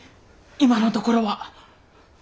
今のところは。